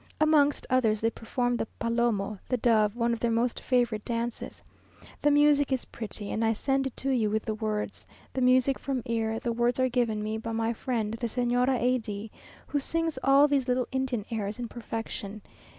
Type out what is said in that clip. Amongst others they performed the Palomo, the Dove, one of their most favourite dances. The music is pretty, and I send it to you with the words, the music from ear; the words are given me by my friend the Señora A d, who sings all these little Indian airs in perfection.